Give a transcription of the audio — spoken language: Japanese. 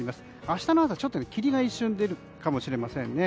明日の朝霧が一瞬出るかもしれませんね。